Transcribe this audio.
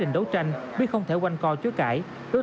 mình phải vì cộng đồng vì mọi người